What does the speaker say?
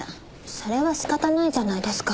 それは仕方ないじゃないですか。